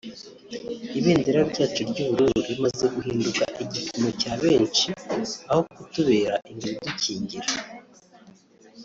ibendera ryacu ry’ubururu rimaze guhinduka igipimo cya benshi aho kutubera ingabo idukikingira